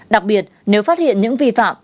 đặc biệt nếu phát hiện những vi phạm